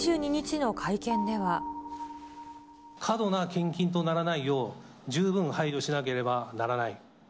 過度な献金とならないよう、十分配慮しなければならない。